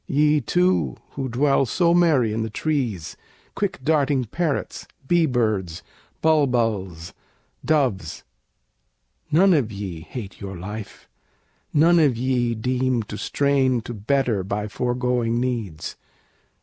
Ye too, who dwell so merry in the trees, Quick darting parrots, bee birds, bulbuls, doves, None of ye hate your life, none of ye deem To strain to better by foregoing needs!